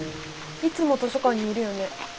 いつも図書館にいるよね。